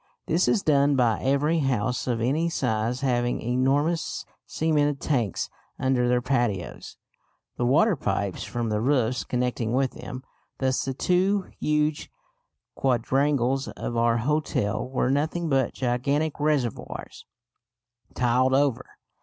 This is done by every house of any size having enormous cemented tanks under their patios, the water pipes from the roofs connecting with them. Thus the two huge quadrangles of our hotel were nothing but gigantic reservoirs tiled over.